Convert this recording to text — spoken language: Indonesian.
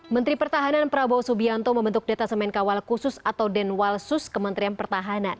menteri pertahanan prabowo subianto membentuk detasemen kawal khusus atau denwalsus kementerian pertahanan